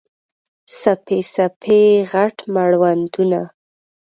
څپې، څپې یې، غټ مړوندونه